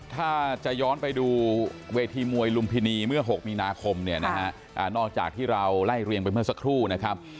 ถ้าจะย้อนไปดูเวทีมวยลุมพินีเมื่อ๖มีนาคมเนี่ยนะฮะนอกจากที่เราไล่เรียงไปเมื่อสักครู่นะครับ